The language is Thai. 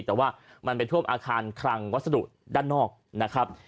แต่ว่ามันไปท่วมอาคารคลังวัสดุด้านนอกนะครับ